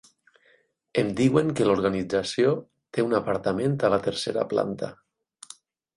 Em diuen que l'organització té un apartament a la tercera planta.